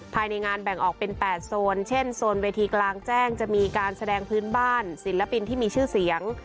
ภายในงานแบ่งออกเป็น๘โซนเช่นโซนเวทีกลางแจ้งจะมีการแสดงพื้นบ้านศิลปินที่มีชื่อเสียง